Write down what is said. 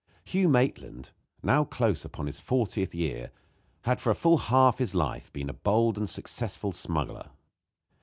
Hugh Maitland, now close upon his fortieth year, had for full half his life been a bold and successful smuggler.